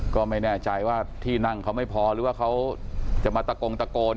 ก็ไม่แน่ใจว่าที่นั่งเขาไม่พอหรือว่าเขาจะมาตะโกงตะโกน